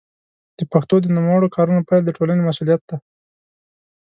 د پښتو د نوموړو کارونو پيل د ټولنې مسوولیت دی.